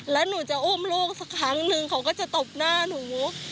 แล้วหนูจะอุ้มลูกสักครั้งนึงเขาก็จะตบหน้าหนู